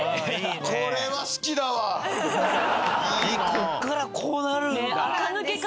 ここからこうなるんだ。